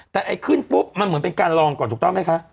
แต่ไอ้ขึ้นปุ๊บมันเหมือนเป็นการลองก่อนถูกต้องไหมคะ